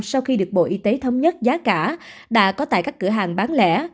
sau khi được bộ y tế thống nhất giá cả đã có tại các cửa hàng bán lẻ